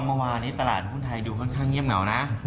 เมื่อวานี้ตลาดภูมิไทยดูค่อนข้างเหี้ยมเหล่านะ